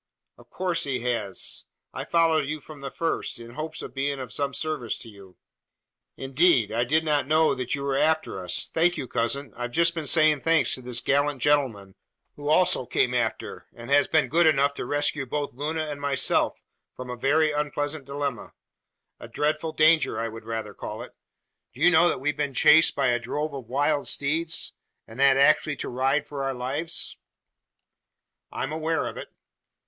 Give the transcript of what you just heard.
"Of coarse he has. I followed you from the first in hopes of being of some service to you." "Indeed! I did not know that you were after us. Thank you, cousin! I've just been saying thanks to this gallant gentleman, who also came after, and has been good enough to rescue both Luna and myself from a very unpleasant dilemma a dreadful danger I should rather call it. Do you know that we've been chased by a drove of wild steeds, and had actually to ride for our lives?" "I am aware of it."